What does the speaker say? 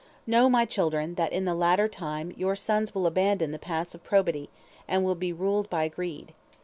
"Know, my children, that in the latter time your sons will abandon the paths of probity, and will be ruled by greed.